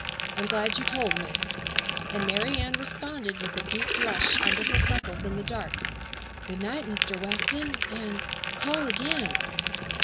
I'm glad you told me," and Mary Ann responded, with a deep blush under her freckles in the dark, "Good night, Mr. Weston, and—call again!"